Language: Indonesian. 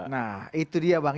nah itu dia bang